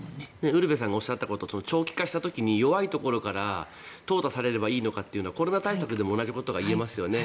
ウルヴェさんがおっしゃったことって長期化した時に弱いところからとう汰されればいいのかっていうとコロナ対策でも同じことが言えますよね。